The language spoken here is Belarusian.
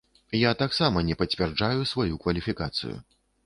Я таксама не пацвярджаю сваю кваліфікацыю.